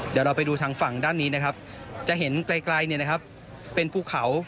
เดี๋ยวเราไปดูทางฝั่งด้านนี้นะครับจะเห็นไกลเป็นภูเขา